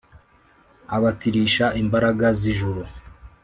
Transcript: Abatirisha, imbaraga z'ijuru